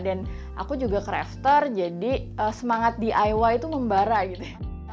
dan aku juga crafter jadi semangat diy itu membara gitu